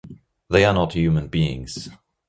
They are not human beings.